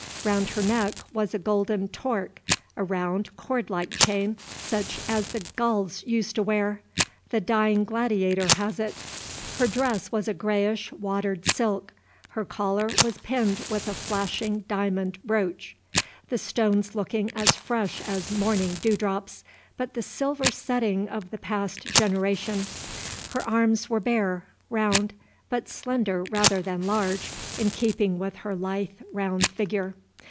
Round her neck was a golden torque, a round, cord like chain, such as the Gaols used to wear; the "Dying Gladiator" has it. Her dress was a grayish watered silk; her collar was pinned with a flashing diamond brooch, the stones looking as fresh as morning dew drops, but the silver setting of the past generation; her arms were bare, round, but slender rather than large, in keeping with her lithe round figure.